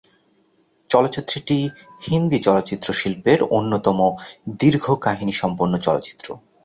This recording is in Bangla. চলচ্চিত্রটি হিন্দি চলচ্চিত্র শিল্পের অন্যতম দীর্ঘ কাহিনী সম্পন্ন চলচ্চিত্র।